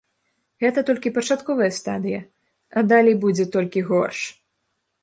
Гэта толькі пачатковая стадыя, а далей будзе толькі горш.